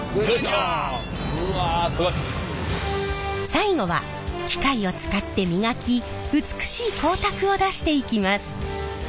最後は機械を使って磨き美しい光沢を出していきます。